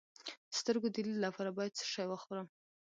د سترګو د لید لپاره باید څه شی وخورم؟